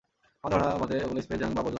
আমার ধারণা মতে ওগুলো স্পেস জাঙ্ক বা আবর্জনা।